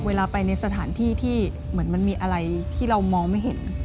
เวลาไปในสถานที่ที่มีอะไรที่เรามองไม่เห็น